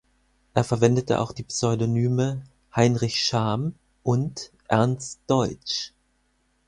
Er verwendete auch die Pseudonyme "Heinrich Scham" und "Ernst Deutsch".